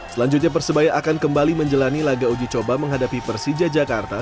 selanjutnya persebaya akan kembali menjalani laga uji coba menghadapi persija jakarta